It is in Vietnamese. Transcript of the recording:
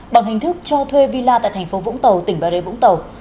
bằng hình thức cho thuê villa tại thành phố vũng tàu tỉnh bà rê vũng tàu